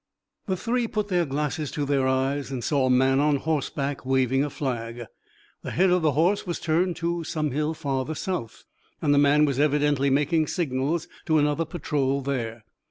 The three put their glasses to their eyes and saw a man on horseback waving a flag. The head of the horse was turned toward some hill farther south, and the man was evidently making signals to another patrol there.